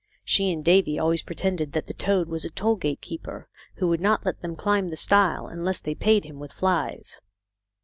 She and Davy always pretended that the toad was a toll gate keeper who would not let them climb the stile unless they paid him with flies.